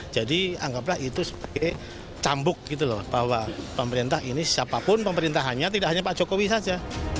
jadi anggaplah itu sebagai cambuk gitu loh bahwa pemerintah ini siapapun pemerintahannya tidak hanya pak jokowi saja